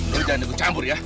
jangan jangan bercampur ya